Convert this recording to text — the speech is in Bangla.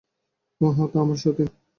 ও হত আমার সতিন।